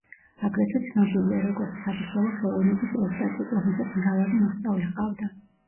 აგრეთვე ცნობილია, როგორც საბრძოლო ხელოვნების ოსტატი, რომელსაც მრავალი მოსწავლე ჰყავდა.